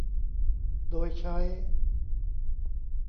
โดยใช้